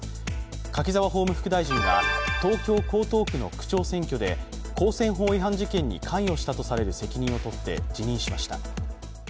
柿沢法務副大臣は東京・江東区の区長選挙で公選法違反事件に関与したとされる責任を取って辞任しました。